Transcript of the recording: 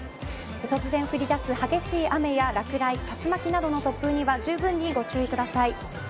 突然降りだす激しい雨や落雷竜巻などの突風にはじゅうぶんにご注意ください。